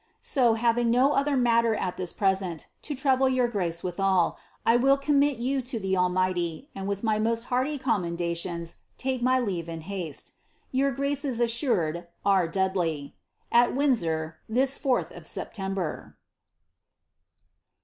So, having no 3ther matter at this present to trouble your grace withal, I will commit you to dn Almighty, and with my most hearty commendations take my leave in haste. "Your grace's assured, ".\t Windsor, this iiii of September."